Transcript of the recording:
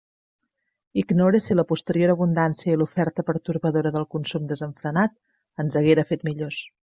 Ignore si la posterior abundància i l'oferta pertorbadora del consum desenfrenat ens haguera fet millors.